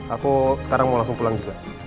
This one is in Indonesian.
aku selesai meeting aku mau pulang ya ma